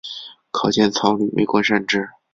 可见曹摅为官善治。